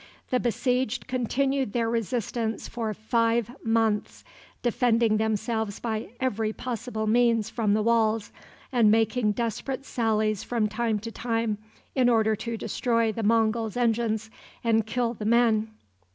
The besieged continued their resistance for five months, defending themselves by every possible means from the walls, and making desperate sallies from time to time in order to destroy the Monguls' engines and kill the men.